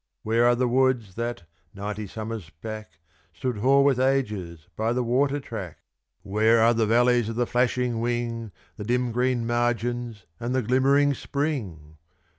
Where are the woods that, ninety summers back, Stood hoar with ages by the water track? Where are the valleys of the flashing wing, The dim green margins and the glimmering spring?